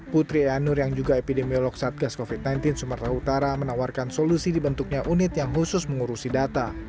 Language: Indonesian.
putri anur yang juga epidemiolog satgas covid sembilan belas sumatera utara menawarkan solusi dibentuknya unit yang khusus mengurusi data